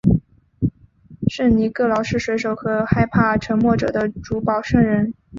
圣尼各老是水手和害怕沉没者的主保圣人。